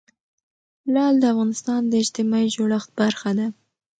لعل د افغانستان د اجتماعي جوړښت برخه ده.